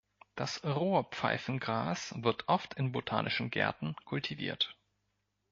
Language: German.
Das Rohr-Pfeifengras wird oft in botanischen Gärten kultiviert.